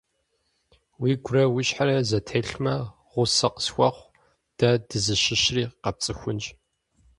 Уигурэ уи щхьэрэ зэтелъмэ, гъусэ къысхуэхъу, дэ дызыщыщри къэпцӀыхунщ.